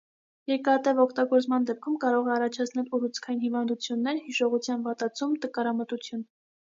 Երկարատև օգտագործման դեպքում կարող է առաջացնել ուռուցքային հիվանդություններ, հիշողության վատացում, տկարամտություն։